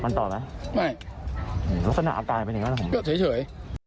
มันต่อไหมไม่ลักษณะอาจารย์เป็นอย่างนั้นคือเฉย